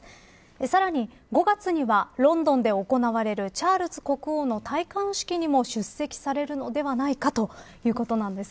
さらに５月にはロンドンで行われるチャールズ国王の戴冠式にも出席されるのではないかということなんです。